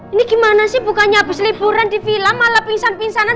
ini gimana sih bukannya habis liburan di villa malah pingsan pingsanan